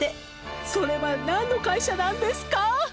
「それは何の会社なんですか？」